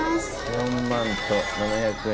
４万７００円。